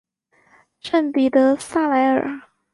圣波德萨莱尔。